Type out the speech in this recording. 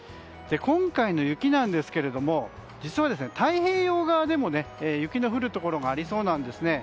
今回の雪なんですけど実は、太平洋側でも雪の降るところがありそうなんです。